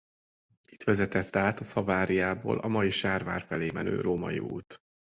Itt vezetett át a Savariából a mai Sárvár felé menő római út.